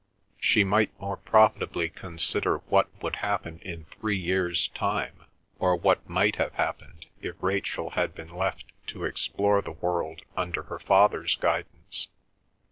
She might more profitably consider what would happen in three years' time, or what might have happened if Rachel had been left to explore the world under her father's guidance.